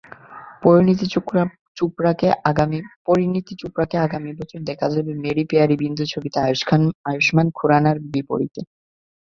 পরিণীতি চোপড়াকে আগামী বছর দেখা যাবে মেরি পেয়ারি বিন্দু ছবিতে আয়ুষ্মান খুড়ানার বিপরীতে।